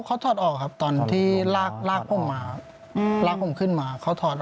เขาถอดออกครับตอนที่ลากผมขึ้นมาเขาถอดออก